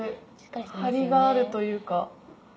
ハリがあるというか。